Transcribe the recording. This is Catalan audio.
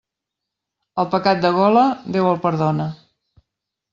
El pecat de gola, Déu el perdona.